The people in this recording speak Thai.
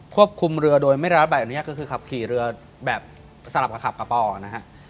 ควบคุมเรือโดยไม่ได้ละละบายอนุญาตคือขับขี่เรือแบบสารับขับกับปอนะฮะ